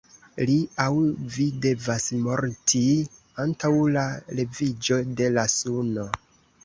Li aŭ vi devas morti antaŭ la leviĝo de la suno.